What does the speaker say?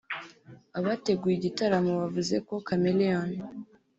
Abateguye igitaramo bavuze ko Chameleone